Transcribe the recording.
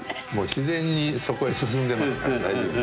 自然にそこへ進んでますから。